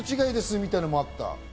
みたいなのもあった。